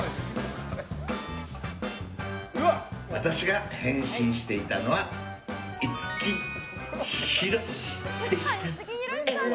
私が変身していたのは五木ひろしでした。